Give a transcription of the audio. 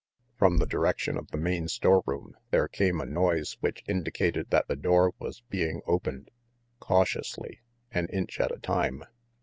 From the direction of the main store there came a noise which indicated that the door was being opened, cautiously, an inch at a time.